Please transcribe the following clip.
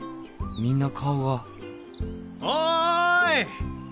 みんな顔がおい！